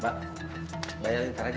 mbak bayarin ntar aja ya